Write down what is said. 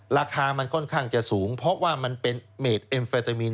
ราคามันค่อนข้างจะสูงเพราะว่ามันเป็นเมดเอ็มเฟตามีน